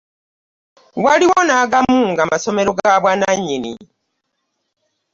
Waliwo nagamu nga masomero gabwanannyini.